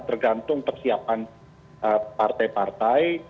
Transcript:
tergantung persiapan partai partai